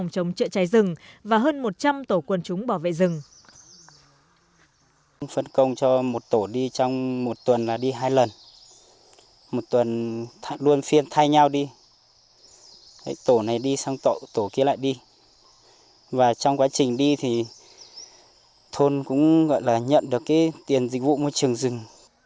tám trợ trái rừng và hơn một trăm linh tổ quân chúng bảo vệ rừng